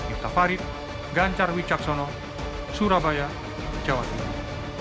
yuta farid gancar wijaksono surabaya jawa tenggara